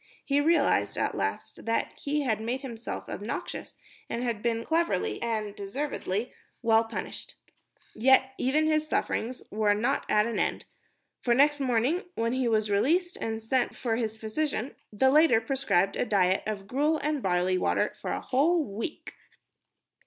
He realized at last that he had made himself obnoxious and had been cleverly and deservedly well punished. Even yet his sufferings were not at an end, for next morning, when he was released and sent for his physician, the latter prescribed a diet of gruel and barley water for a whole week!